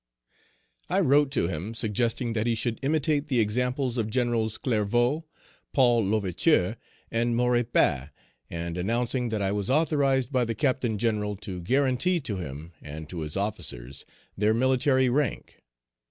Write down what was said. "I wrote to him, suggesting that he should imitate the examples of Generals Clervaux, Paul L'Ouverture, and Maurepas, and announcing that I was authorized by the Captain General to guarantee to him and to his officers their military rank.